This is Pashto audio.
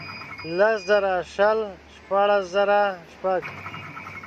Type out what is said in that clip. لس زره شل ، شپاړس زره شپږ.